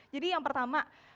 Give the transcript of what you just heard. jadi yang pertama